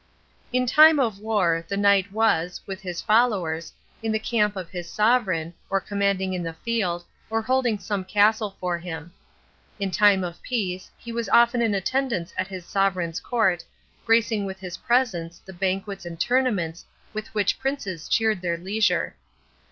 In time of war the knight was, with his followers, in the camp of his sovereign, or commanding in the field, or holding some castle for him. In time of peace he was often in attendance at his sovereign's court, gracing with his presence the banquets and tournaments with which princes cheered their leisure.